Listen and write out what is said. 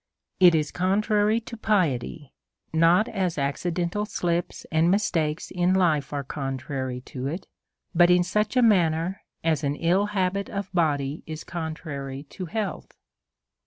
It is contrary to piety ; not as accidental slips and mistakes in life are contrary to it, but in such a man ner as an ill habit of body is contrary to health.